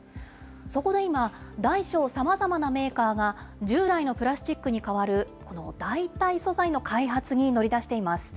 そこで今、大小さまざまなメーカーが、従来のプラスチックに代わるこの代替素材の開発に乗り出しています。